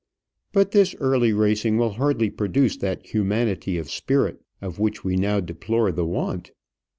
But this early racing will hardly produce that humanity of spirit of which we now deplore the want.